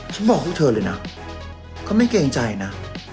ฉันบอกกับเธอเลยนะเขาไม่เกียงใจนะ